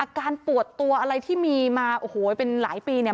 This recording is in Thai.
การปวดตัวอะไรที่มีมาโอ้โหเป็นหลายปีเนี่ย